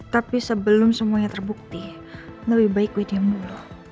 tapi sebelum semuanya terbukti lebih baik gue diam dulu